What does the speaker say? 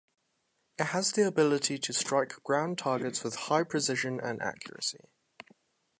It has the ability to strike ground targets with high precision and accuracy.